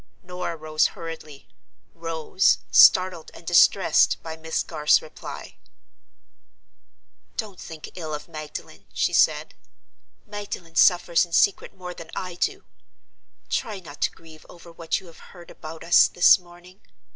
Norah rose hurriedly; rose, startled and distressed by Miss Garth's reply. "Don't think ill of Magdalen," she said. "Magdalen suffers in secret more than I do. Try not to grieve over what you have heard about us this morning.